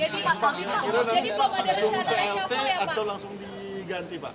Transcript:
jadi pak pak kita langsung plt atau langsung diganti pak